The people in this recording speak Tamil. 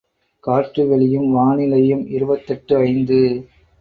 காற்று வெளியும் வானிலையும் இருபத்தெட்டு ஐந்து.